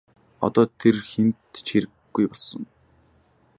Одоо тэр хэнд ч хэрэггүй болсон.